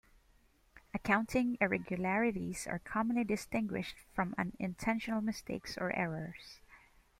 Accounting irregularities are commonly distinguished from unintentional mistakes or errors.